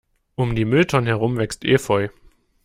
Um die Mülltonnen herum wächst Efeu.